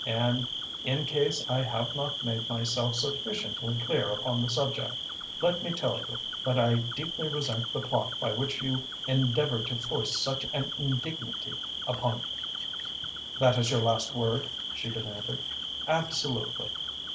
"And in case I have not made myself sufficiently clear upon the subject, let me tell you that I deeply resent the plot by which you endeavoured to foist such an indignity upon me." "This is your last word?" she demanded. "Absolutely!"